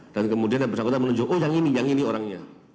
dan kemudian yang bersangkutan menunjukkan oh yang ini yang ini orangnya